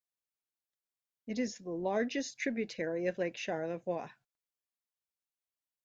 It is the largest tributary of Lake Charlevoix.